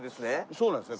そうなんですよ。